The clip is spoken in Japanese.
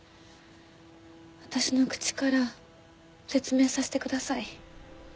私の口から説明させてください。